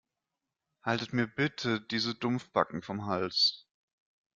Haltet mir bitte diese Dumpfbacken vom Hals.